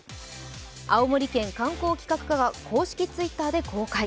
青森県観光企画課が公式Ｔｗｉｔｔｅｒで公開。